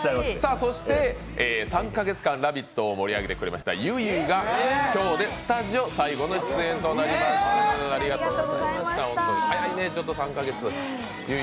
そして３か月間、「ラヴィット！」を盛り上げてくれましたゆいゆいが今日でスタジオ最後の出演となります、早いね３カ月。